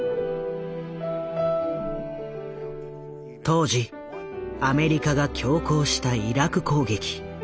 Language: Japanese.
当時アメリカが強行したイラク攻撃。